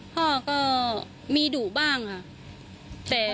พ่อก็มีดุบ้างค่ะ